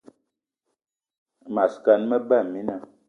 Mas gan, me ba mina.